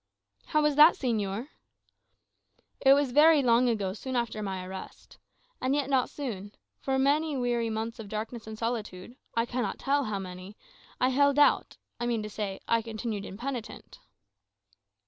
"How was that, señor?" "It was very long ago, soon after my arrest. And yet, not soon. For weary months of darkness and solitude, I cannot tell how many, I held out I mean to say, I continued impenitent."